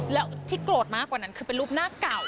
แล้วที่โกรธมากกว่านั้นคือเป็นรูปหน้าเก่า